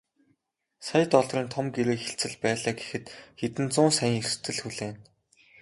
Сая долларын том гэрээ хэлцэл байлаа гэхэд хэдэн зуун саяын эрсдэл хүлээнэ.